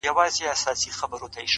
چي د صبر شراب وڅيښې ويده سه؛